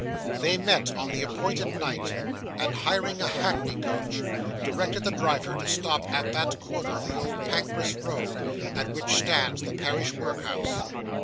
'They met on the appointed night, and, hiring a hackney coach, directed the driver to stop at that corner of the old Pancras Road, at which stands the parish workhouse.